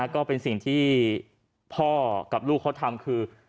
ก็เป็นสิ่งที่พ่อกับลูกเขาทำคือ